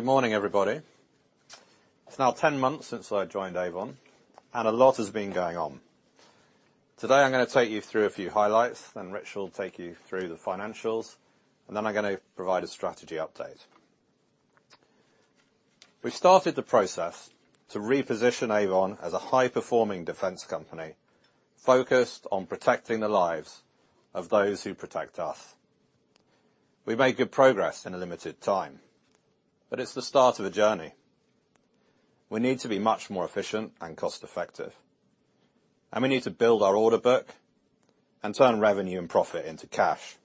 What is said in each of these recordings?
Good morning, everybody. It's now 10 months since I joined Avon, and a lot has been going on. Today, I'm gonna take you through a few highlights, then Rich will take you through the financials, and then I'm gonna provide a strategy update. We started the process to reposition Avon as a high-performing defense company, focused on protecting the lives of those who protect us. We've made good progress in a limited time, but it's the start of a journey. We need to be much more efficient and cost-effective, and we need to build our order book and turn revenue and profit into cash.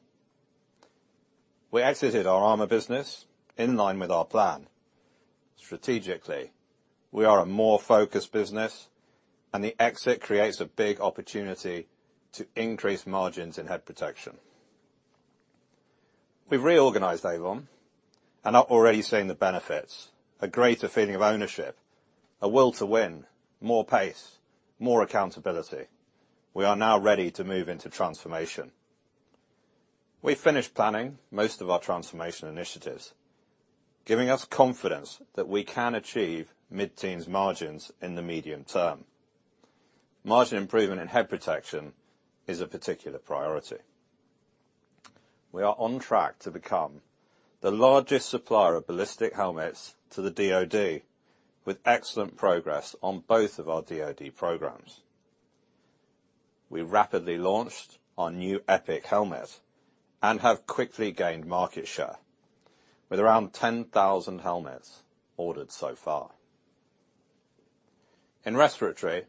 We exited our armor business in line with our plan. Strategically, we are a more focused business, and the exit creates a big opportunity to increase margins in head protection. We've reorganized Avon and are already seeing the benefits: a greater feeling of ownership, a will to win, more pace, more accountability. We are now ready to move into transformation. We've finished planning most of our transformation initiatives, giving us confidence that we can achieve mid-teens margins in the medium term. Margin improvement in head protection is a particular priority. We are on track to become the largest supplier of ballistic helmets to the DoD, with excellent progress on both of our DoD programs. We rapidly launched our new EPIC helmet and have quickly gained market share, with around 10,000 helmets ordered so far. In respiratory,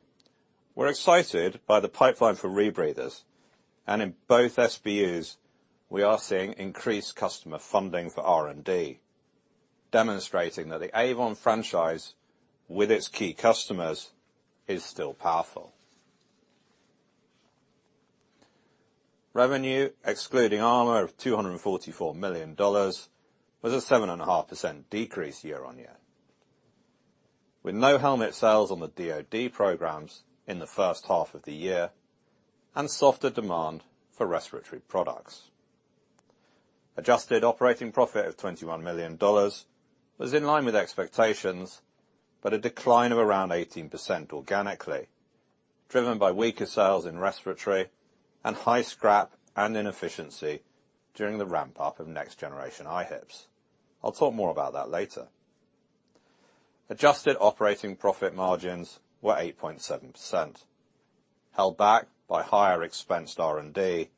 we're excited by the pipeline for rebreathers, and in both SBUs, we are seeing increased customer funding for R&D, demonstrating that the Avon franchise with its key customers is still powerful. Revenue, excluding armor, of $244 million was a 7.5% decrease year-on-year, with no helmet sales on the DoD programs in the first half of the year, and softer demand for respiratory products. Adjusted operating profit of $21 million was in line with expectations, but a decline of around 18% organically, driven by weaker sales in respiratory and high scrap and inefficiency during the ramp-up of next-generation IHPS. I'll talk more about that later. Adjusted operating profit margins were 8.7%, held back by higher expensed R&D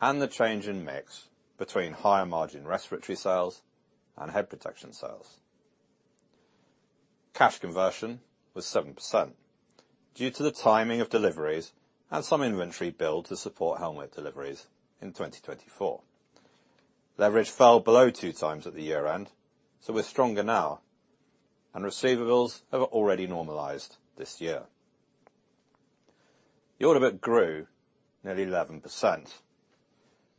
and the change in mix between higher margin respiratory sales and head protection sales. Cash conversion was 7% due to the timing of deliveries and some inventory build to support helmet deliveries in 2024. Leverage fell below 2x at the year-end, so we're stronger now, and receivables have already normalized this year. The order book grew nearly 11%,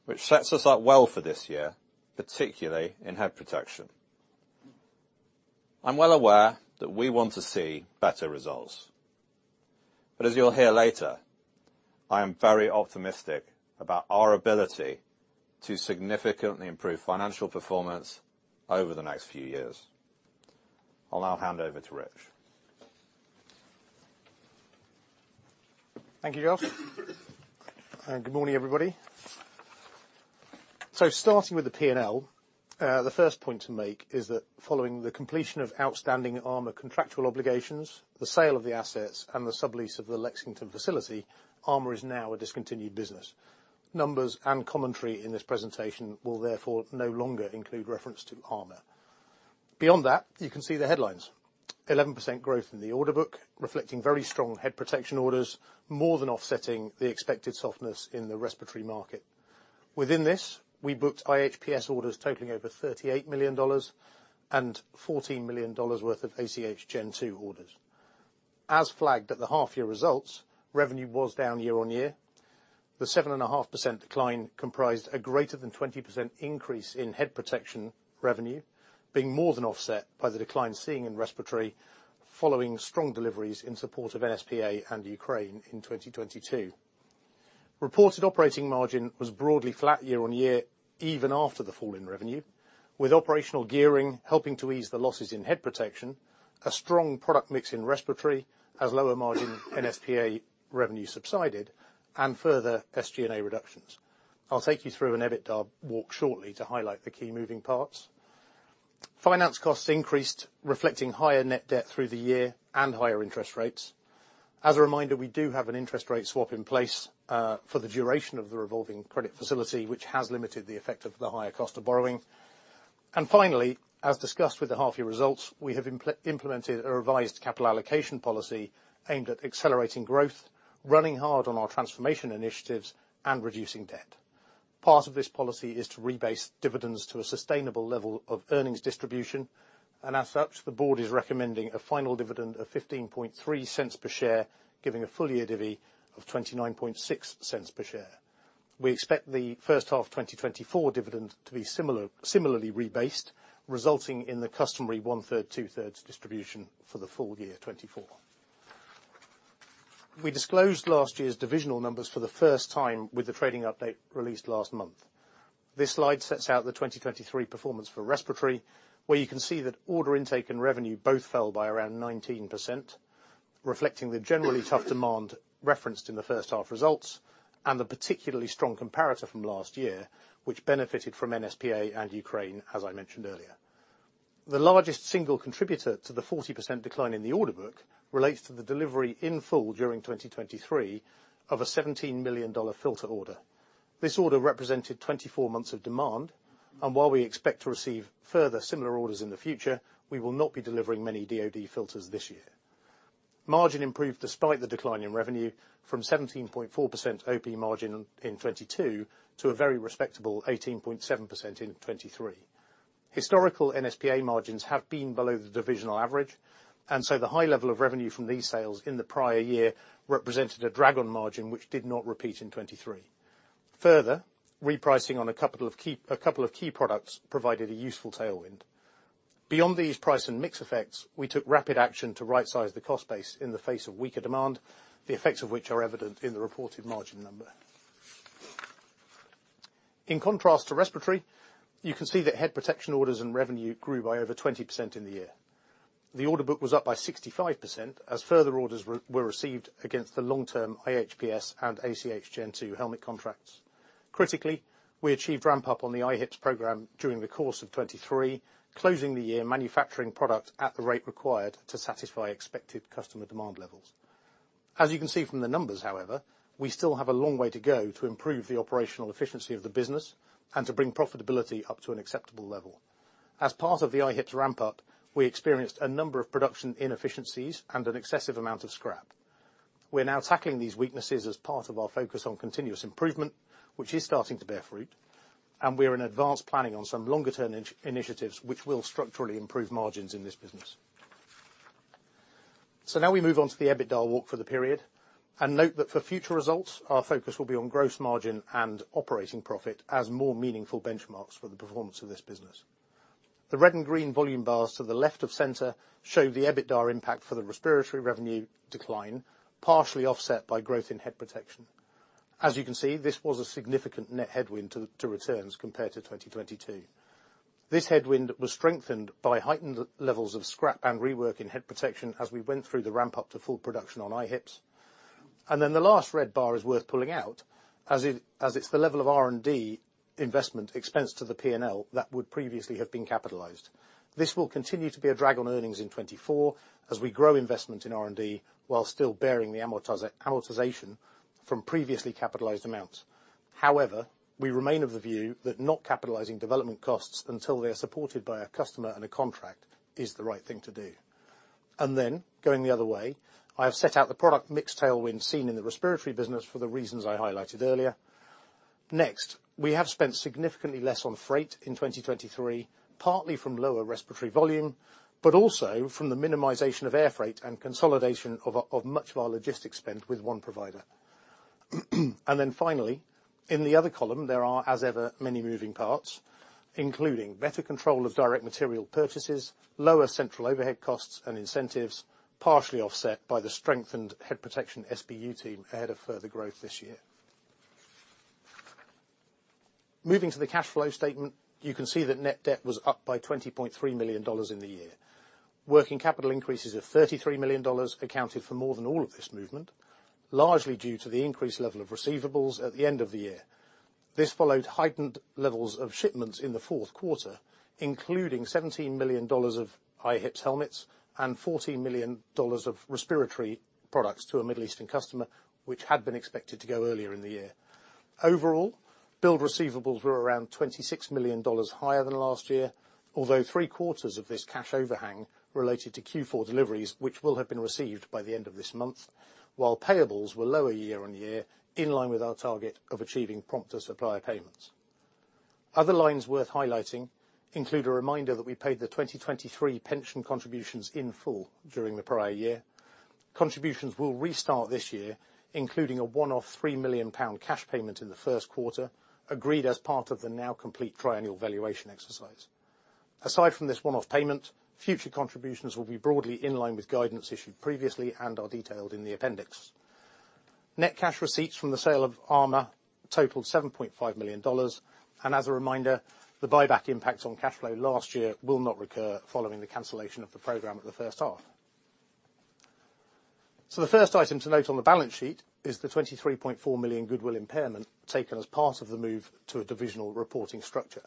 which sets us up well for this year, particularly in head protection. I'm well aware that we want to see better results, but as you'll hear later, I am very optimistic about our ability to significantly improve financial performance over the next few years. I'll now hand over to Rich. Thank you, Gareth. Good morning, everybody. So starting with the P&L, the first point to make is that following the completion of outstanding armor contractual obligations, the sale of the assets, and the sublease of the Lexington facility, armor is now a discontinued business. Numbers and commentary in this presentation will therefore no longer include reference to armor. Beyond that, you can see the headlines. 11% growth in the order book, reflecting very strong head protection orders, more than offsetting the expected softness in the respiratory market. Within this, we booked IHPS orders totaling over $38 million and $14 million worth of ACH Gen2 orders. As flagged at the half-year results, revenue was down year-on-year. The 7.5% decline comprised a greater than 20% increase in head protection revenue, being more than offset by the decline seen in respiratory, following strong deliveries in support of NSPA and Ukraine in 2022. Reported operating margin was broadly flat year-on-year, even after the fall in revenue, with operational gearing helping to ease the losses in head protection, a strong product mix in respiratory as lower margin in NSPA revenue subsided, and further SG&A reductions. I'll take you through an EBITDA walk shortly to highlight the key moving parts. Finance costs increased, reflecting higher net debt through the year and higher interest rates. As a reminder, we do have an interest rate swap in place, for the duration of the revolving credit facility, which has limited the effect of the higher cost of borrowing. Finally, as discussed with the half-year results, we have implemented a revised capital allocation policy aimed at accelerating growth, running hard on our transformation initiatives, and reducing debt. Part of this policy is to rebase dividends to a sustainable level of earnings distribution, and as such, the board is recommending a final dividend of 0.153 per share, giving a full-year divvy of 0.296 per share. We expect the first half 2024 dividend to be similarly rebased, resulting in the customary one-third, two-thirds distribution for the full year 2024. We disclosed last year's divisional numbers for the first time with the trading update released last month. This slide sets out the 2023 performance for respiratory, where you can see that order intake and revenue both fell by around 19%, reflecting the generally tough demand referenced in the first half results, and the particularly strong comparator from last year, which benefited from NSPA and Ukraine, as I mentioned earlier. The largest single contributor to the 40% decline in the order book relates to the delivery in full during 2023 of a $17 million filter order. This order represented 24 months of demand, and while we expect to receive further similar orders in the future, we will not be delivering many DoD filters this year. Margin improved despite the decline in revenue from 17.4% OP margin in 2022 to a very respectable 18.7% in 2023. Historical NSPA margins have been below the divisional average, and so the high level of revenue from these sales in the prior year represented a drag on margin, which did not repeat in 2023. Further, repricing on a couple of key, a couple of key products provided a useful tailwind. Beyond these price and mix effects, we took rapid action to rightsize the cost base in the face of weaker demand, the effects of which are evident in the reported margin number. In contrast to respiratory, you can see that head protection orders and revenue grew by over 20% in the year. The order book was up by 65%, as further orders were received against the long-term IHPS and ACH Gen II helmet contracts. Critically, we achieved ramp-up on the IHPS program during the course of 2023, closing the year manufacturing products at the rate required to satisfy expected customer demand levels. As you can see from the numbers, however, we still have a long way to go to improve the operational efficiency of the business and to bring profitability up to an acceptable level. As part of the IHPS ramp-up, we experienced a number of production inefficiencies and an excessive amount of scrap. We're now tackling these weaknesses as part of our focus on continuous improvement, which is starting to bear fruit, and we're in advanced planning on some longer-term initiatives, which will structurally improve margins in this business. So now we move on to the EBITDA walk for the period, and note that for future results, our focus will be on gross margin and operating profit as more meaningful benchmarks for the performance of this business. The red and green volume bars to the left of center show the EBITDA impact for the respiratory revenue decline, partially offset by growth in head protection. As you can see, this was a significant net headwind to returns compared to 2022. This headwind was strengthened by heightened levels of scrap and rework in head protection as we went through the ramp-up to full production on IHPS. And then the last red bar is worth pulling out, as it's the level of R&D investment expense to the P&L that would previously have been capitalized. This will continue to be a drag on earnings in 2024 as we grow investment in R&D while still bearing the amortization from previously capitalized amounts. However, we remain of the view that not capitalizing development costs until they are supported by a customer and a contract is the right thing to do. And then, going the other way, I have set out the product mix tailwind seen in the respiratory business for the reasons I highlighted earlier. Next, we have spent significantly less on freight in 2023, partly from lower respiratory volume, but also from the minimization of air freight and consolidation of much of our logistics spend with one provider. And then finally, in the other column, there are, as ever, many moving parts, including better control of direct material purchases, lower central overhead costs and incentives, partially offset by the strengthened head protection SBU team ahead of further growth this year. Moving to the cash flow statement, you can see that net debt was up by $20.3 million in the year. Working capital increases of $33 million accounted for more than all of this movement, largely due to the increased level of receivables at the end of the year. This followed heightened levels of shipments in the fourth quarter, including $17 million of IHPS helmets and $14 million of respiratory products to a Middle Eastern customer, which had been expected to go earlier in the year. Overall, billed receivables were around $26 million higher than last year, although three quarters of this cash overhang related to Q4 deliveries, which will have been received by the end of this month, while payables were lower year-on-year, in line with our target of achieving prompter supplier payments. Other lines worth highlighting include a reminder that we paid the 2023 pension contributions in full during the prior year. Contributions will restart this year, including a one-off 3 million pound cash payment in the first quarter, agreed as part of the now complete triennial valuation exercise. Aside from this one-off payment, future contributions will be broadly in line with guidance issued previously and are detailed in the appendix. Net cash receipts from the sale of Armor totaled $7.5 million, and as a reminder, the buyback impact on cash flow last year will not recur following the cancellation of the program at the first half. So the first item to note on the balance sheet is the $23.4 million goodwill impairment taken as part of the move to a divisional reporting structure.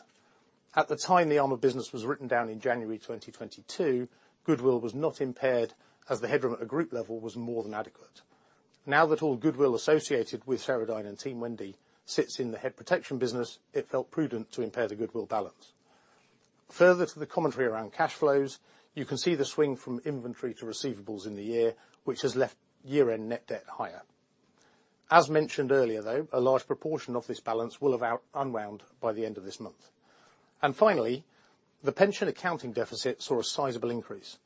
At the time the Armor business was written down in January 2022, goodwill was not impaired, as the headroom at group level was more than adequate. Now that all goodwill associated with Ceradyne and Team Wendy sits in the head protection business, it felt prudent to impair the goodwill balance. Further to the commentary around cash flows, you can see the swing from inventory to receivables in the year, which has left year-end net debt higher. As mentioned earlier, though, a large proportion of this balance will have unwound by the end of this month. Finally, the pension accounting deficit saw a sizable increase.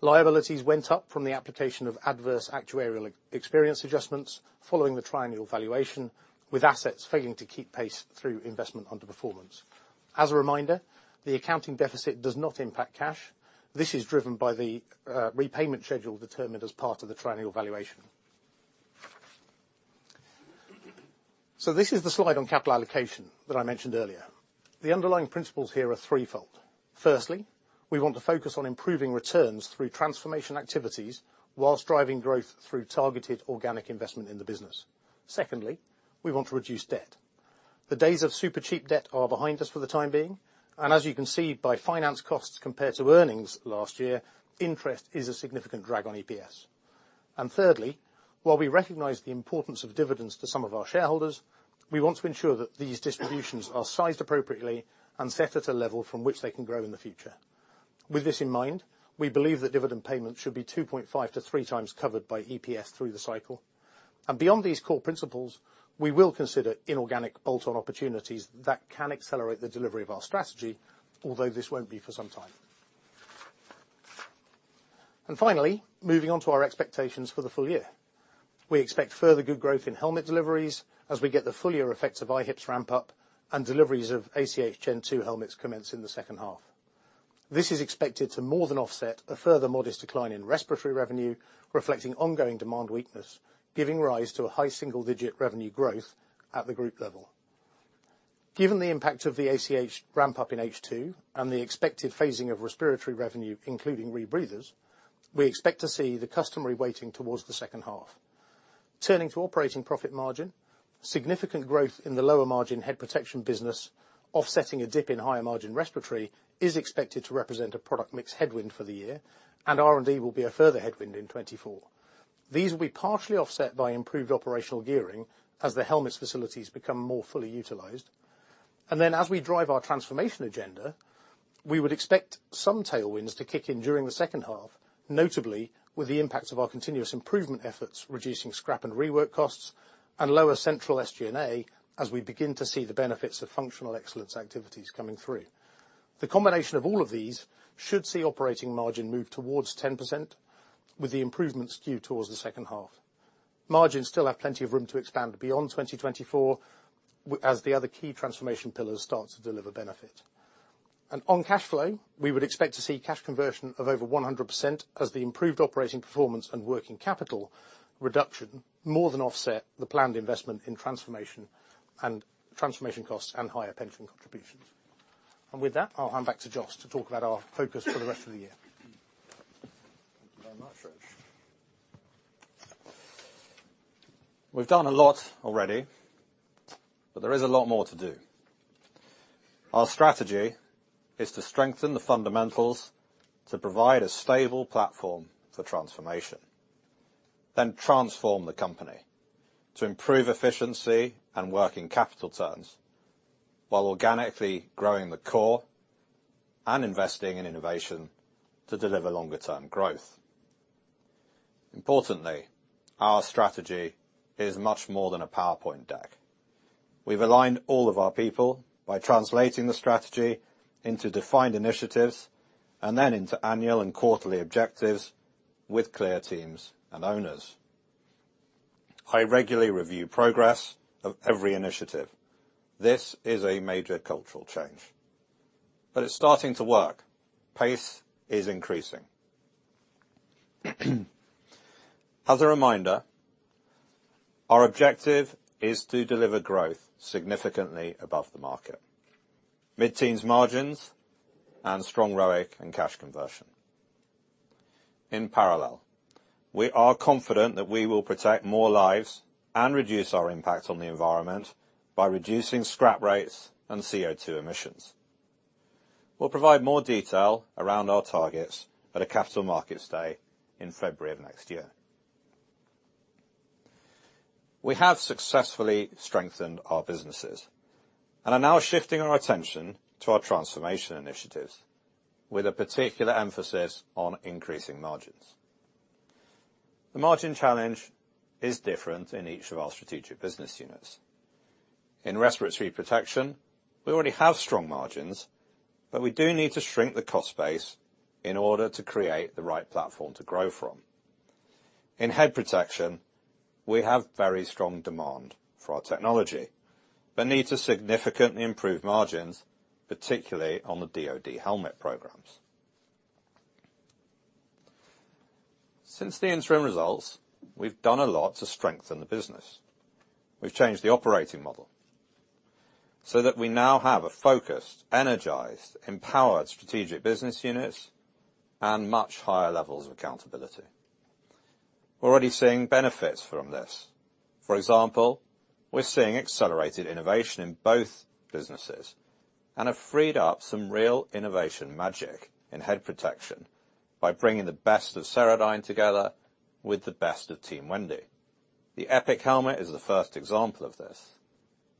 Liabilities went up from the application of adverse actuarial experience adjustments following the triennial valuation, with assets failing to keep pace through investment underperformance. As a reminder, the accounting deficit does not impact cash. This is driven by the repayment schedule determined as part of the triennial valuation. This is the slide on capital allocation that I mentioned earlier. The underlying principles here are threefold. Firstly, we want to focus on improving returns through transformation activities, whilst driving growth through targeted organic investment in the business. Secondly, we want to reduce debt. The days of super cheap debt are behind us for the time being, and as you can see, by finance costs compared to earnings last year, interest is a significant drag on EPS. And thirdly, while we recognize the importance of dividends to some of our shareholders, we want to ensure that these distributions are sized appropriately and set at a level from which they can grow in the future. With this in mind, we believe that dividend payments should be 2.5-3 times covered by EPS through the cycle. And beyond these core principles, we will consider inorganic bolt-on opportunities that can accelerate the delivery of our strategy, although this won't be for some time. And finally, moving on to our expectations for the full year. We expect further good growth in helmet deliveries as we get the full year effects of IHPS's ramp up and deliveries of ACH Gen II helmets commence in the second half. This is expected to more than offset a further modest decline in respiratory revenue, reflecting ongoing demand weakness, giving rise to a high single-digit revenue growth at the group level. Given the impact of the ACH ramp up in H2 and the expected phasing of respiratory revenue, including rebreathers, we expect to see the customary weighting towards the second half. Turning to operating profit margin, significant growth in the lower margin head protection business, offsetting a dip in higher margin respiratory, is expected to represent a product mix headwind for the year, and R&D will be a further headwind in 2024. These will be partially offset by improved operational gearing as the helmets facilities become more fully utilized. And then, as we drive our transformation agenda, we would expect some tailwinds to kick in during the second half, notably with the impact of our continuous improvement efforts, reducing scrap and rework costs and lower central SG&A as we begin to see the benefits of functional excellence activities coming through. The combination of all of these should see operating margin move towards 10%, with the improvement skewed towards the second half. Margins still have plenty of room to expand beyond 2024, as the other key transformation pillars start to deliver benefit. And on cash flow, we would expect to see cash conversion of over 100% as the improved operating performance and working capital reduction more than offset the planned investment in transformation and transformation costs and higher pension contributions. With that, I'll hand back to Jos to talk about our focus for the rest of the year. Thank you very much, Rich. We've done a lot already, but there is a lot more to do. Our strategy is to strengthen the fundamentals, to provide a stable platform for transformation, then transform the company to improve efficiency and working capital terms, while organically growing the core and investing in innovation to deliver longer-term growth. Importantly, our strategy is much more than a PowerPoint deck. We've aligned all of our people by translating the strategy into defined initiatives and then into annual and quarterly objectives with clear teams and owners. I regularly review progress of every initiative. This is a major cultural change, but it's starting to work. Pace is increasing. As a reminder, our objective is to deliver growth significantly above the market, mid-teens margins, and strong ROIC and cash conversion. In parallel, we are confident that we will protect more lives and reduce our impact on the environment by reducing scrap rates and CO2 emissions. We'll provide more detail around our targets at a capital markets day in February of next year. We have successfully strengthened our businesses and are now shifting our attention to our transformation initiatives with a particular emphasis on increasing margins. The margin challenge is different in each of our strategic business units. In Respiratory Protection, we already have strong margins, but we do need to shrink the cost base in order to create the right platform to grow from. In Head Protection, we have very strong demand for our technology, but need to significantly improve margins, particularly on the DoD helmet programs. Since the interim results, we've done a lot to strengthen the business. We've changed the operating model so that we now have a focused, energized, empowered strategic business units and much higher levels of accountability. We're already seeing benefits from this. For example, we're seeing accelerated innovation in both businesses and have freed up some real innovation magic in Head Protection by bringing the best of Ceradyne together with the best of Team Wendy. The EPIC helmet is the first example of this.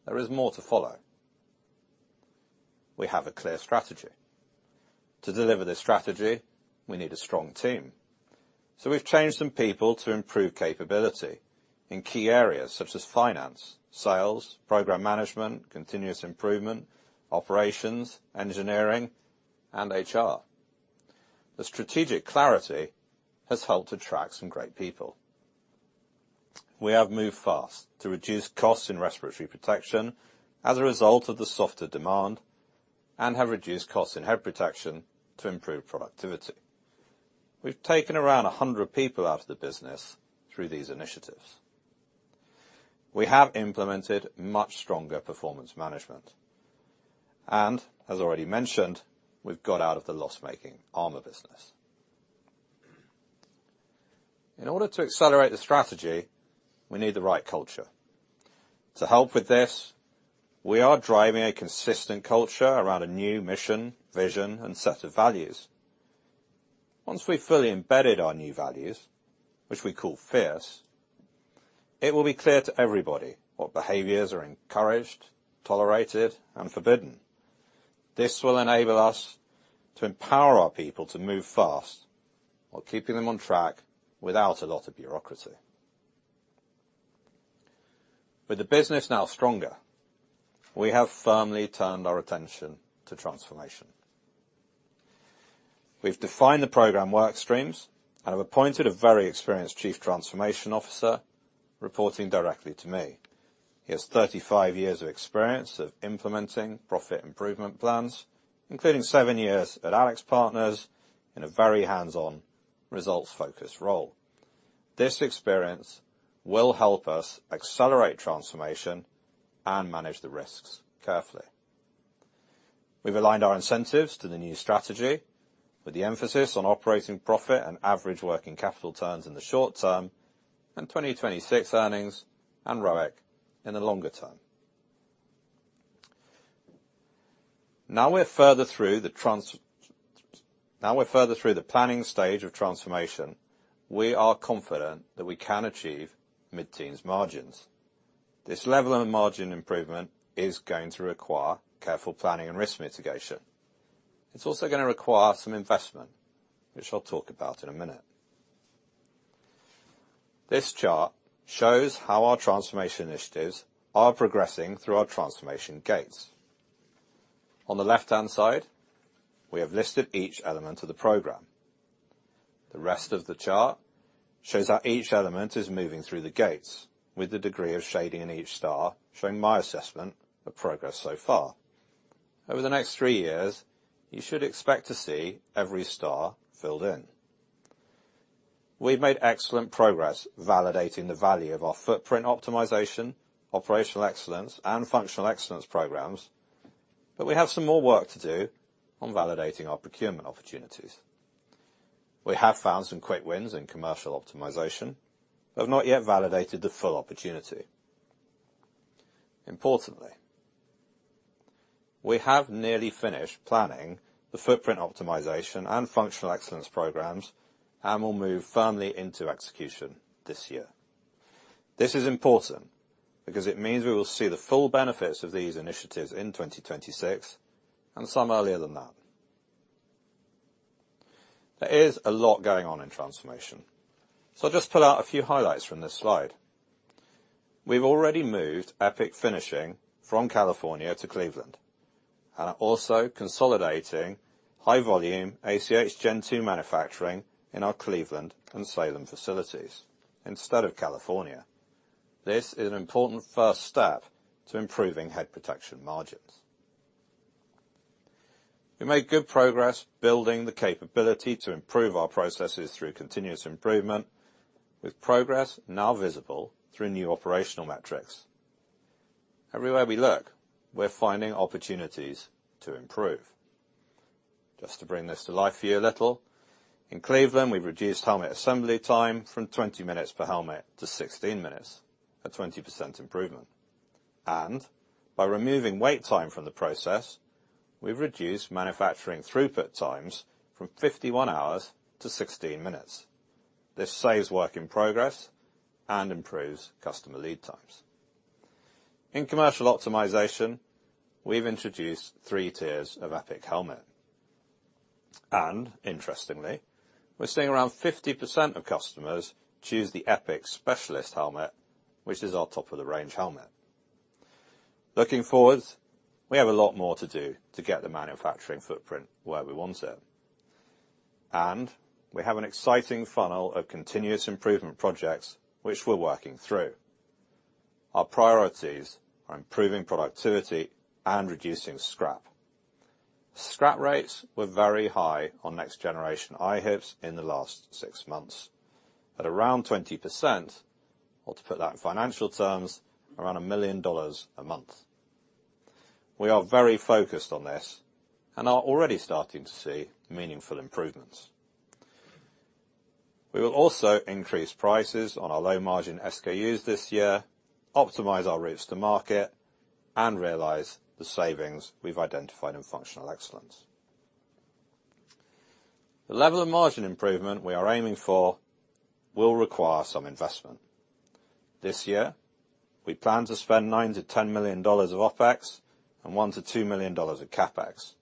There is more to follow. We have a clear strategy. To deliver this strategy, we need a strong team, so we've changed some people to improve capability in key areas such as finance, sales, program management, continuous improvement, operations, engineering, and HR. The strategic clarity has helped attract some great people... We have moved fast to reduce costs in respiratory protection as a result of the softer demand, and have reduced costs in head protection to improve productivity. We've taken around 100 people out of the business through these initiatives. We have implemented much stronger performance management, and, as already mentioned, we've got out of the loss-making armor business. In order to accelerate the strategy, we need the right culture. To help with this, we are driving a consistent culture around a new mission, vision, and set of values. Once we've fully embedded our new values, which we call FIERCE, it will be clear to everybody what behaviors are encouraged, tolerated, and forbidden. This will enable us to empower our people to move fast while keeping them on track without a lot of bureaucracy. With the business now stronger, we have firmly turned our attention to transformation. We've defined the program work streams and have appointed a very experienced Chief Transformation Officer, reporting directly to me. He has 35 years of experience of implementing profit improvement plans, including seven years at AlixPartners, in a very hands-on, results-focused role. This experience will help us accelerate transformation and manage the risks carefully. We've aligned our incentives to the new strategy, with the emphasis on operating profit and average working capital terms in the short term, and 2026 earnings and ROIC in the longer term. Now we're further through the planning stage of transformation, we are confident that we can achieve mid-teens margins. This level of margin improvement is going to require careful planning and risk mitigation. It's also gonna require some investment, which I'll talk about in a minute. This chart shows how our transformation initiatives are progressing through our transformation gates. On the left-hand side, we have listed each element of the program. The rest of the chart shows how each element is moving through the gates, with the degree of shading in each star showing my assessment of progress so far. Over the next three years, you should expect to see every star filled in. We've made excellent progress validating the value of our footprint optimization, operational excellence, and functional excellence programs, but we have some more work to do on validating our procurement opportunities. We have found some quick wins in commercial optimization, but have not yet validated the full opportunity. Importantly, we have nearly finished planning the footprint optimization and functional excellence programs and will move firmly into execution this year. This is important because it means we will see the full benefits of these initiatives in 2026, and some earlier than that. There is a lot going on in transformation, so I'll just pull out a few highlights from this slide. We've already moved EPIC Finishing from California to Cleveland, and are also consolidating high-volume ACH Gen II manufacturing in our Cleveland and Salem facilities instead of California. This is an important first step to improving head protection margins. We made good progress building the capability to improve our processes through continuous improvement, with progress now visible through new operational metrics. Everywhere we look, we're finding opportunities to improve. Just to bring this to life for you a little, in Cleveland, we've reduced helmet assembly time from 20 minutes per helmet to 16 minutes, a 20% improvement. And by removing wait time from the process, we've reduced manufacturing throughput times from 51 hours to 16 minutes. This saves work in progress and improves customer lead times. In commercial optimization, we've introduced 3 tiers of EPIC helmet. And interestingly, we're seeing around 50% of customers choose the EPIC Specialist helmet, which is our top-of-the-range helmet. Looking forward, we have a lot more to do to get the manufacturing footprint where we want it. And we have an exciting funnel of continuous improvement projects which we're working through. Our priorities are improving productivity and reducing scrap. Scrap rates were very high on next-generation IHPS in the last six months, at around 20%, or to put that in financial terms, around $1 million a month. We are very focused on this and are already starting to see meaningful improvements. We will also increase prices on our low-margin SKUs this year, optimize our routes to market, and realize the savings we've identified in functional excellence. The level of margin improvement we are aiming for will require some investment. This year, we plan to spend $9-$10 million of OpEx and $1-$2 million of CapEx.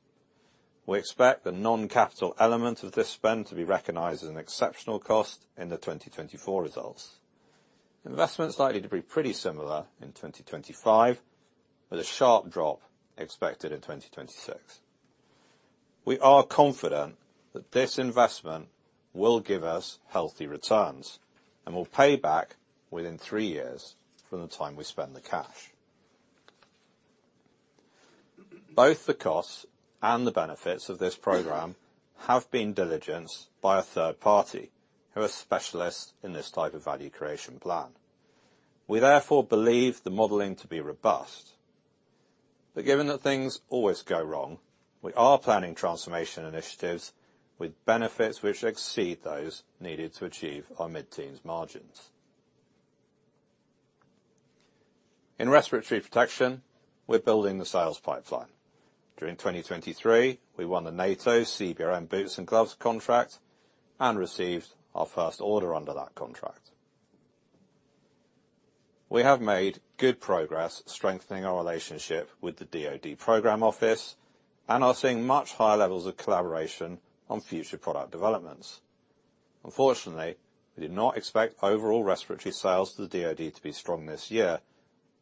We expect the non-capital element of this spend to be recognized as an exceptional cost in the 2024 results. Investment is likely to be pretty similar in 2025, with a sharp drop expected in 2026.... We are confident that this investment will give us healthy returns and will pay back within three years from the time we spend the cash. Both the costs and the benefits of this program have been diligenced by a third party who are specialists in this type of value creation plan. We therefore believe the modeling to be robust. But given that things always go wrong, we are planning transformation initiatives with benefits which exceed those needed to achieve our mid-teens margins. In respiratory protection, we're building the sales pipeline. During 2023, we won the NATO CBRN boots and gloves contract and received our first order under that contract. We have made good progress strengthening our relationship with the DoD program office, and are seeing much higher levels of collaboration on future product developments. Unfortunately, we do not expect overall respiratory sales to the DoD to be strong this year,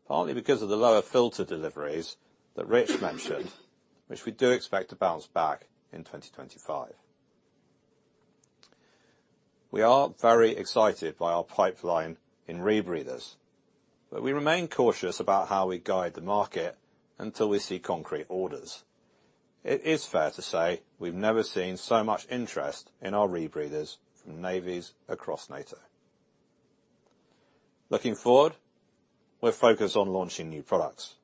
partly because of the lower filter deliveries that Rich mentioned, which we do expect to bounce back in 2025. We are very excited by our pipeline in rebreathers, but we remain cautious about how we guide the market until we see concrete orders. It is fair to say we've never seen so much interest in our rebreathers from navies across NATO. Looking forward, we're focused on launching new products.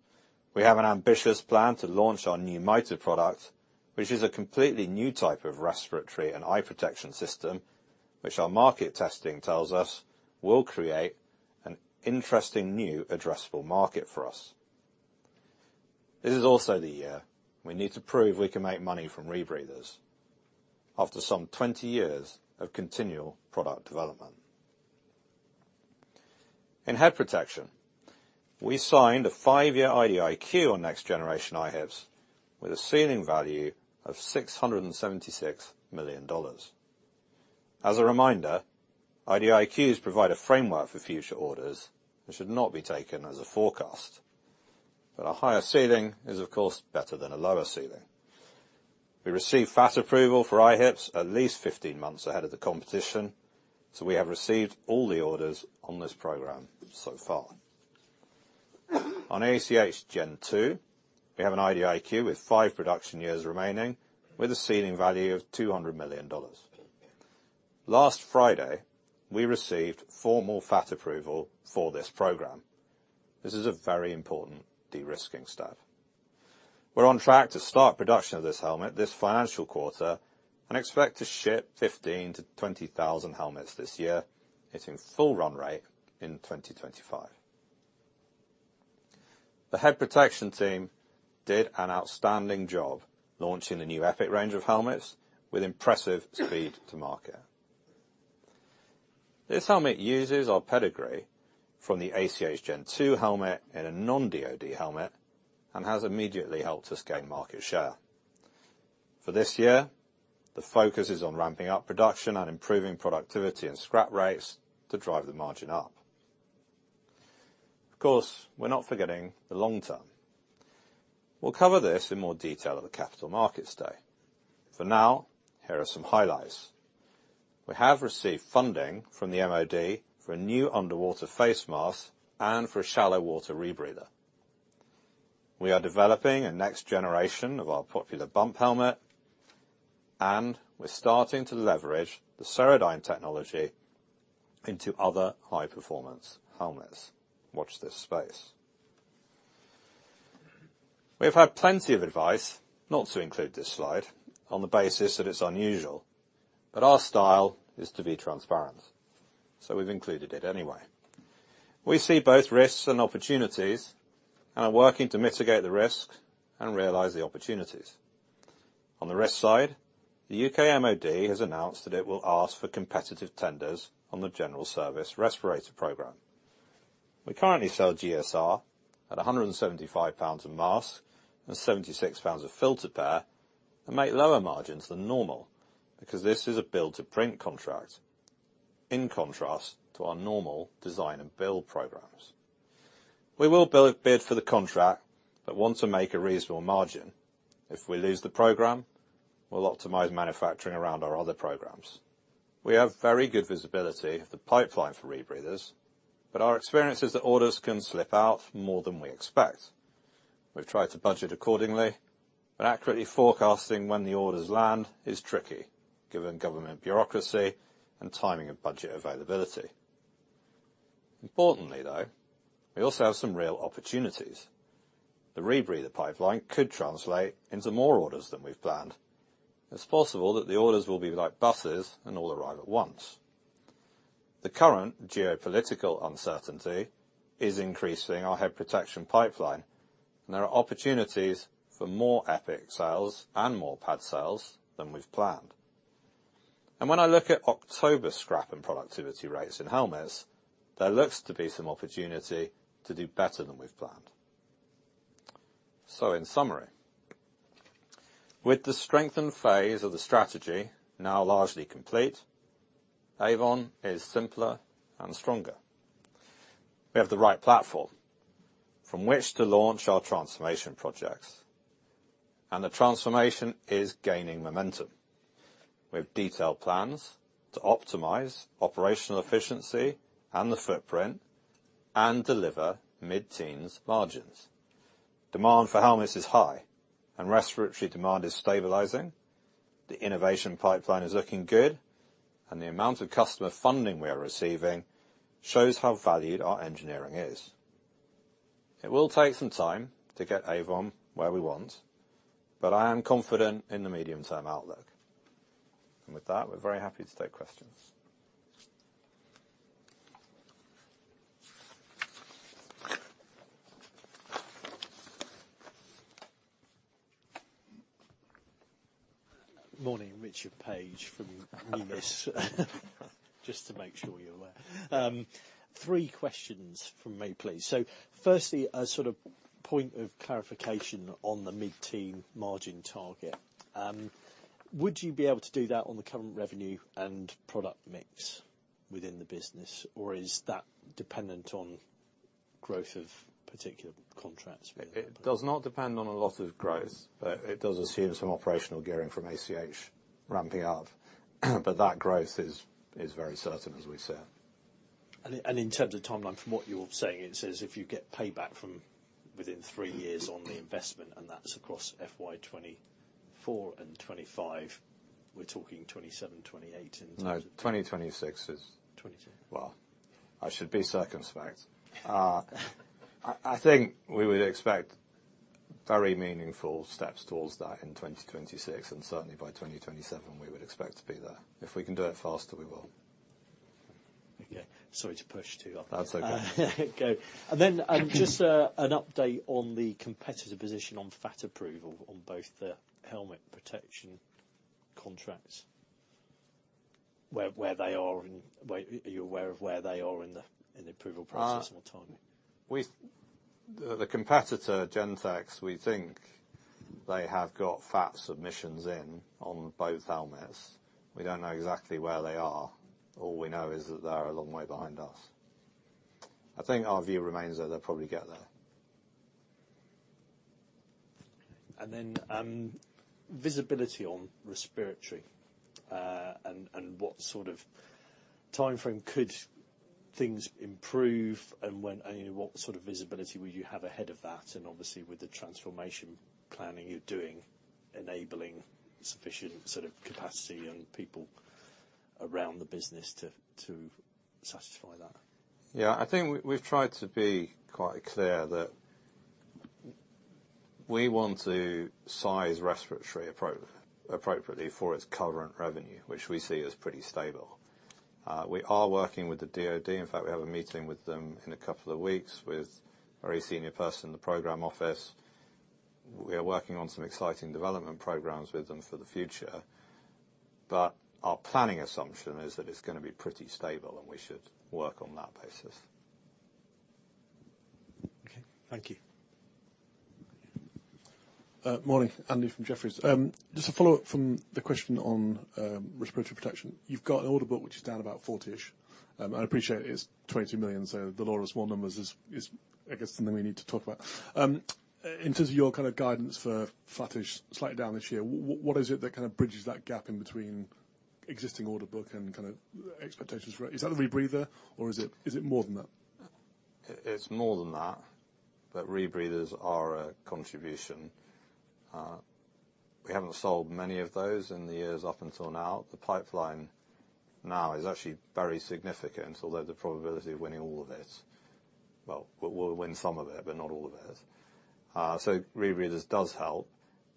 We have an ambitious plan to launch our new MITRE product, which is a completely new type of respiratory and eye protection system, which our market testing tells us will create an interesting new addressable market for us. This is also the year we need to prove we can make money from rebreathers after some 20 years of continual product development. In head protection, we signed a five-year IDIQ on next-generation IHPS with a ceiling value of $676 million. As a reminder, IDIQs provide a framework for future orders and should not be taken as a forecast. But a higher ceiling is, of course, better than a lower ceiling. We received FAT approval for IHPS at least 15 months ahead of the competition, so we have received all the orders on this program so far. On ACH Gen II, we have an IDIQ with 5 production years remaining, with a ceiling value of $200 million. Last Friday, we received formal FAT approval for this program. This is a very important de-risking step. We're on track to start production of this helmet this financial quarter and expect to ship 15,000-20,000 helmets this year, hitting full run rate in 2025. The head protection team did an outstanding job launching the new EPIC range of helmets with impressive speed to market. This helmet uses our pedigree from the ACH Gen II helmet in a non-DoD helmet and has immediately helped us gain market share. For this year, the focus is on ramping up production and improving productivity and scrap rates to drive the margin up. Of course, we're not forgetting the long term. We'll cover this in more detail at the Capital Markets Day. For now, here are some highlights. We have received funding from the MOD for a new underwater face mask and for a shallow water rebreather. We are developing a next generation of our popular bump helmet, and we're starting to leverage the Ceradyne technology into other high-performance helmets. Watch this space. We've had plenty of advice not to include this slide on the basis that it's unusual, but our style is to be transparent, so we've included it anyway. We see both risks and opportunities and are working to mitigate the risks and realize the opportunities. On the risk side, the U.K. MOD has announced that it will ask for competitive tenders on the General Service Respirator program. We currently sell GSR at 175 pounds a mask and 76 pounds a filter pair, and make lower margins than normal because this is a build-to-print contract, in contrast to our normal design and build programs. We will build a bid for the contract, but want to make a reasonable margin. If we lose the program, we'll optimize manufacturing around our other programs. We have very good visibility of the pipeline for rebreathers, but our experience is that orders can slip out more than we expect. We've tried to budget accordingly, but accurately forecasting when the orders land is tricky, given government bureaucracy and timing of budget availability. Importantly, though, we also have some real opportunities. The rebreather pipeline could translate into more orders than we've planned. It's possible that the orders will be like buses and all arrive at once. The current geopolitical uncertainty is increasing our head protection pipeline, and there are opportunities for more EPIC sales and more pad sales than we've planned. And when I look at October scrap and productivity rates in helmets, there looks to be some opportunity to do better than we've planned. So in summary, with the strengthened phase of the strategy now largely complete, Avon is simpler and stronger. We have the right platform from which to launch our transformation projects, and the transformation is gaining momentum. We have detailed plans to optimize operational efficiency and the footprint, and deliver mid-teens margins. Demand for helmets is high, and respiratory demand is stabilizing. The innovation pipeline is looking good, and the amount of customer funding we are receiving shows how valued our engineering is. It will take some time to get Avon where we want, but I am confident in the medium-term outlook. With that, we're very happy to take questions. Morning, Richard Paige from Numis, just to make sure you're aware. Three questions from me, please. Firstly, a sort of point of clarification on the mid-term margin target. Would you be able to do that on the current revenue and product mix within the business, or is that dependent on growth of particular contracts? It does not depend on a lot of growth, but it does assume some operational gearing from ACH ramping up. That growth is very certain, as we said. And in terms of timeline, from what you're saying, it says if you get payback from within three years on the investment, and that's across FY 2024 and 2025, we're talking 2027, 2028 in- No, 2026 is- Twenty-six. Well, I should be circumspect. I think we would expect very meaningful steps towards that in 2026, and certainly by 2027, we would expect to be there. If we can do it faster, we will. Okay. Sorry to push too off. That's okay. Go. And then, just, an update on the competitor position on FAT approval on both the helmet protection contracts, where they are and where... Are you aware of where they are in the approval process or timing? The competitor, Gentex, we think they have got FAT submissions in on both helmets. We don't know exactly where they are. All we know is that they're a long way behind us. I think our view remains that they'll probably get there. Then, visibility on respiratory, and what sort of timeframe could things improve, and when, and what sort of visibility would you have ahead of that? And obviously, with the transformation planning you're doing, enabling sufficient sort of capacity and people around the business to satisfy that. Yeah, I think we've tried to be quite clear that we want to size respiratory appropriately for its current revenue, which we see as pretty stable. We are working with the DoD. In fact, we have a meeting with them in a couple of weeks with a very senior person in the program office. We are working on some exciting development programs with them for the future, but our planning assumption is that it's gonna be pretty stable, and we should work on that basis. Okay. Thank you. Morning, Andy from Jefferies. Just a follow-up from the question on respiratory protection. You've got an order book which is down about 40-ish. I appreciate it's 22 million, so the lower small numbers is, I guess, something we need to talk about. In terms of your kind of guidance for flatish, slightly down this year, what is it that kind of bridges that gap in between existing order book and kind of expectations for it? Is that a rebreather, or is it more than that? It, it's more than that, but rebreathers are a contribution. We haven't sold many of those in the years up until now. The pipeline now is actually very significant, although the probability of winning all of this... Well, we'll win some of it, but not all of this. So rebreathers does help.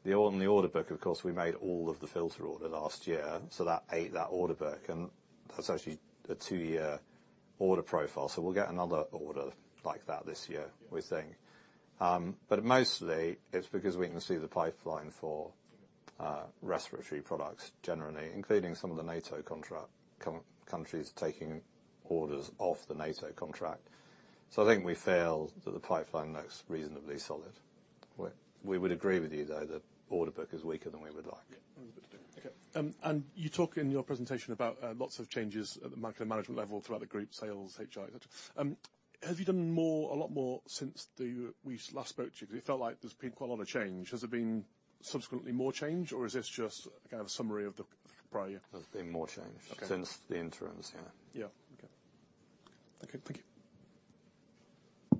The order book, of course, we made all of the filter order last year, so that ate that order book, and that's actually a two-year order profile, so we'll get another order like that this year, we think. But mostly, it's because we can see the pipeline for respiratory products, generally, including some of the NATO contract countries taking orders off the NATO contract. So I think we feel that the pipeline looks reasonably solid. We would agree with you, though, that order book is weaker than we would like. Yeah. Okay. And you talk in your presentation about lots of changes at the market and management level throughout the group, sales, HR. Have you done more, a lot more since the, we last spoke to you? It felt like there's been quite a lot of change. Has there been subsequently more change, or is this just kind of a summary of the prior year? There's been more change- Okay. Since the interims, yeah. Yeah. Okay. Okay, thank you.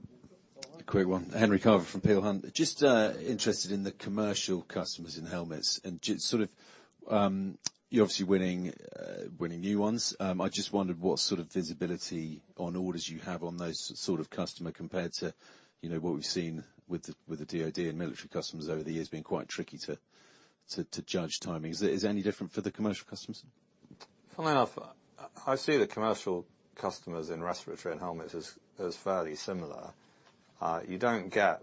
A quick one. Henry Carver from Peel Hunt. Just interested in the commercial customers and helmets, and just sort of, you're obviously winning, winning new ones. I just wondered what sort of visibility on orders you have on those sort of customer compared to, you know, what we've seen with the DoD and military customers over the years, being quite tricky to judge timings. Is it any different for the commercial customers? I see the commercial customers in respiratory and helmets as fairly similar. You don't get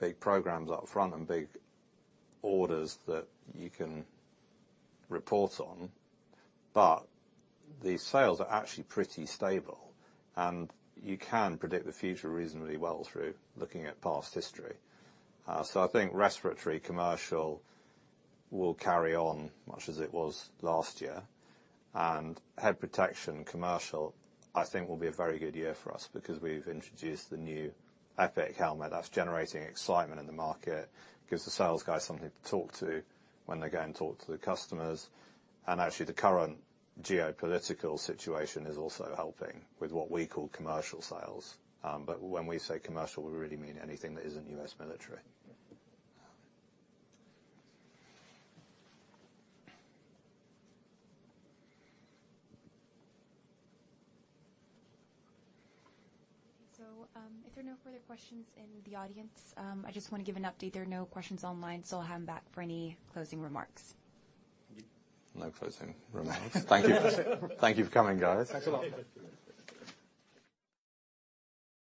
big programs up front and big orders that you can report on, but the sales are actually pretty stable, and you can predict the future reasonably well through looking at past history. So I think respiratory commercial will carry on much as it was last year. And head protection commercial, I think, will be a very good year for us because we've introduced the new Epic helmet that's generating excitement in the market, gives the sales guys something to talk to when they go and talk to the customers. And actually, the current geopolitical situation is also helping with what we call commercial sales. But when we say commercial, we really mean anything that isn't U.S. military. If there are no further questions in the audience, I just want to give an update. There are no questions online, so I'll hand back for any closing remarks. No closing remarks. Thank you. Thank you for coming, guys. Thanks a lot.